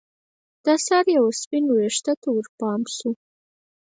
د سر یوه سپین ویښته ته ورپام شو